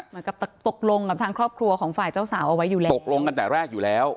เหมือนกับตกลงกับทางครอบครัวของฝ่ายเจ้าสาวเอาไว้อยู่แล้วตกลงกันแต่แรกอยู่แล้ว